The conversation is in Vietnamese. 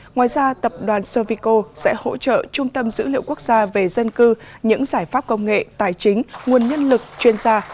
ngoài ra tập đoàn sovico sẽ hỗ trợ trung tâm dữ liệu quốc gia về dân cư những giải pháp công nghệ tài chính nguồn nhân lực chuyên gia